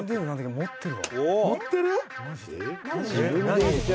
「持ってるわ！」